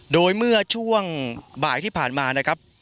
โดยเมื่อช่วงบ่ายที่ผ่านมานะครับ